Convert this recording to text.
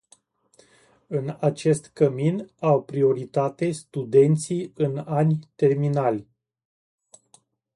În acest cămin au prioritate studenții în ani terminali.